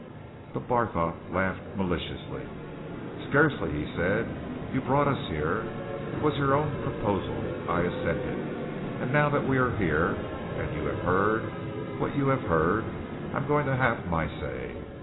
But Barthorpe laughed, maliciously. "Scarcely!" he said. "You brought us here. It was your own proposal. I assented. And now that we are here, and you have heard what you have heard I'm going to have my say.